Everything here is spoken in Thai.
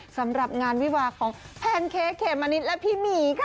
สำหรับงานวิวาของแพนเค้กเขมมะนิดและพี่หมีค่ะ